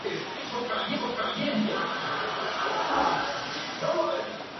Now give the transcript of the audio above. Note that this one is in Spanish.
Se proclamó independiente a causa de este hecho.